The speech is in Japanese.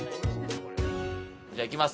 じゃあいきます。